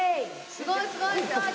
すごいすごいすごい！